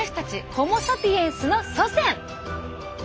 ホモ・サピエンスの祖先！